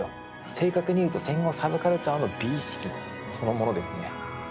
正確に言うと戦後サブカルチャーの美意識そのものですね。